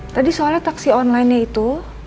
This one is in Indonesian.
tadi soalnya taksi online nya itu